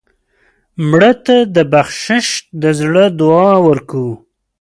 مړه ته د بخشش د زړه دعا ورکوو